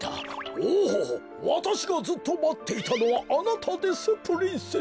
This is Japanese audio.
おおわたしがずっとまっていたのはあなたですプリンセス。